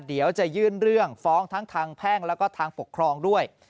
เดี๋ยวจะยื่นเรื่องฟ้องทั้งทางแพ่งแล้วก็ทางปกครองด้วย